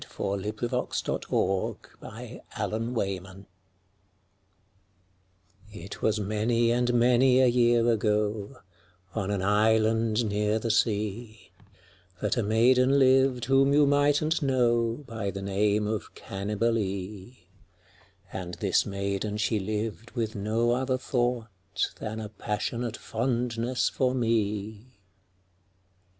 V^ Unknown, } 632 Parody A POE 'EM OF PASSION It was many and many a year ago, On an island near the sea, That a maiden lived whom you migbtnH know By the name of Cannibalee; And this maiden she lived with no other thought Than a passionate fondness for me.